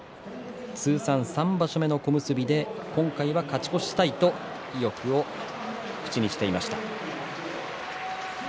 通算３場所目の小結で今回は勝ち越したいと意欲を口にしていました。